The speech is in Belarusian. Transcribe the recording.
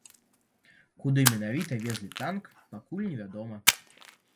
Куды менавіта везлі танк, пакуль невядома.